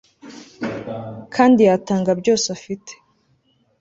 Kandi yatanga byose afite